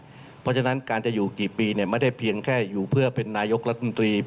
เพราะฉะนั้นการจะอยู่กี่ปีไม่ได้เพียงแค่อยู่เพื่อเป็นนายกรัฐมนตรี